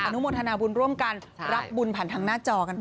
นุโมทนาบุญร่วมกันรับบุญผ่านทางหน้าจอกันไป